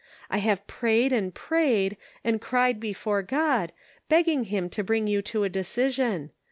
I have prayed and prayed, and cried before God, begging him to bring you to a decision.